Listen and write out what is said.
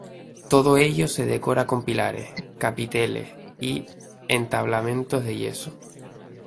Todo ello se decora con pilares, capiteles y entablamentos de yeso.